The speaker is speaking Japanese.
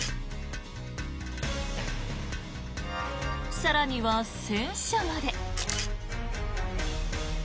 更には、戦車まで。